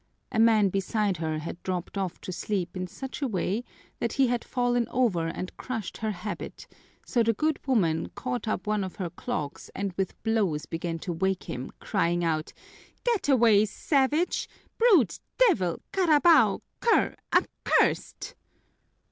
A man beside her had dropped off to sleep in such a way that he had fallen over and crushed her habit, so the good woman caught up one of her clogs and with blows began to wake him, crying out, "Get away, savage, brute, devil, carabao, cur, accursed!"